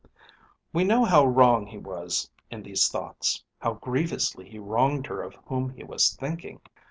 We know how wrong he was in these thoughts; how grievously he wronged her of whom he was thinking.